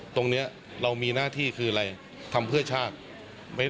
ตรงนี้เรามีหน้าที่คืออะไรทำเพื่อชาติ